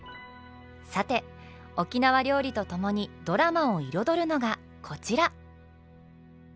さて沖縄料理とともにドラマを彩るのがこちら！